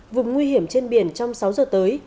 vùng nguy hiểm trên biển trong sáu giờ tới